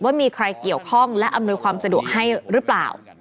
ว่ามีใครเกี่ยวข้องและอำนวยความสะดวกให้หรือเปล่า